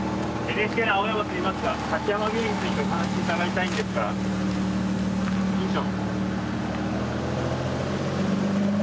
ＮＨＫの青山といいますが滝山病院についてお話伺いたいんですが院長。